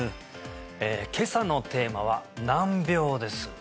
今朝のテーマは難病です